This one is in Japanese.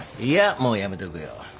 いやもうやめとくよ。